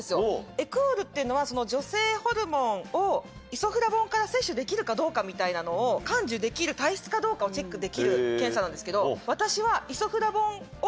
エクオールっていうのは女性ホルモンをイソフラボンから摂取できるかどうかみたいなのを甘受できる体質かどうかをチェックできる検査なんですけど。